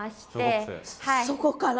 そこから？